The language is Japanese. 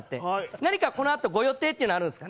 何かこのあと、ご予定はあるんですか？